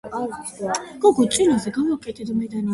მდებარეობს კახეთის კავკასიონის სამხრეთ განტოტება ანდარაზანის ქედზე.